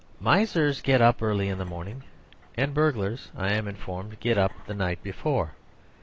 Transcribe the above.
..... Misers get up early in the morning; and burglars, I am informed, get up the night before.